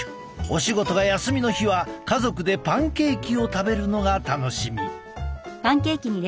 お仕事が休みの日は家族でパンケーキを食べるのが楽しみ！